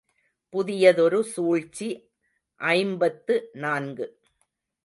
புதியதொரு சூழ்ச்சி ஐம்பத்து நான்கு.